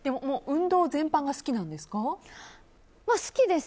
運動全般が好きなんですか？